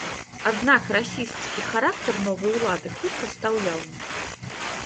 Аднак расісцкі характар новай улады хутка стаў яўны.